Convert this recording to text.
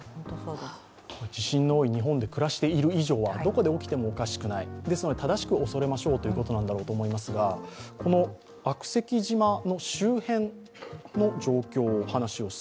地震の多い日本で暮らしている以上は、どこで起きてもおかしくない、ですので、正しく恐れましょうということなんだと思いますが悪石島周辺の状況です。